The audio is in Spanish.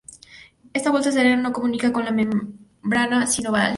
Esta bolsa serosa no comunica con la membrana sinovial.